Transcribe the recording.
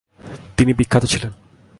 তিনি বিখ্যাত ছিলেন ।